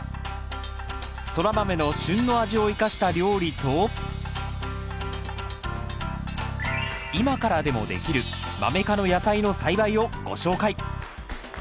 ソラマメの旬の味を生かした料理と今からでもできるマメ科の野菜の栽培をご紹介。